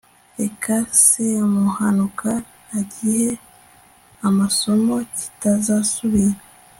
reka semuhanuka agihe amasomo, kitazasubira